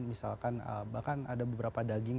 misalkan bahkan ada beberapa daging